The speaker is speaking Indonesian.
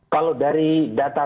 kalau dari data